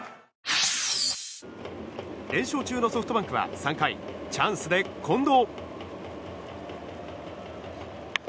連勝中のソフトバンクは３回チャンスで、近藤。